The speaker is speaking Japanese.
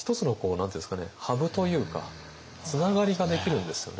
ハブというかつながりができるんですよね。